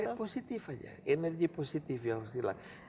energi positif aja energi positif ya harus dibilang